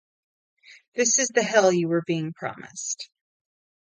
This is the hell you were being promised.